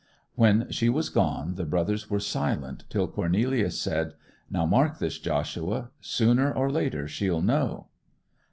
When she was gone the brothers were silent till Cornelius said, 'Now mark this, Joshua. Sooner or later she'll know.